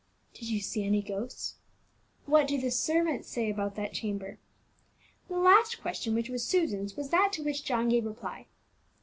"Did you see any ghosts?" "What do the servants say about that chamber?" The last question, which was Susan's, was that to which John gave reply.